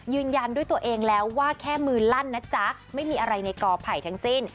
ยืนยันด้วยตัวเองแล้วว่าแค่มือลั่นนะจ๊ะไม่มีอะไรในกอไผ่ทั้งสิ้น